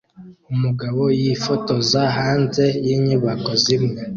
Umugabo yifotoza hanze yinyubako zimwe